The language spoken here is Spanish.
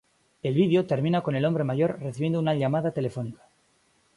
El video termina con el hombre mayor recibiendo una llamada telefónica.